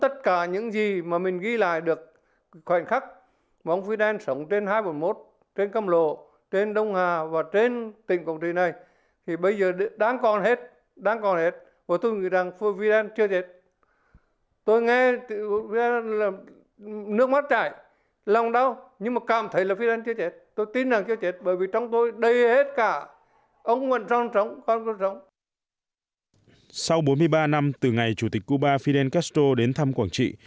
sau bốn mươi ba năm từ ngày chủ tịch cuba fidel castro đến thăm quảng trị